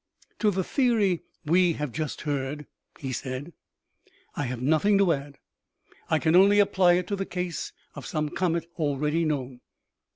" To the theory which we have just heard," he said, " I have nothing to add ; I can only apply it to the case of some comet already known.